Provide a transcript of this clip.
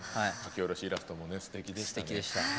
下ろしイラストもすてきでしたね。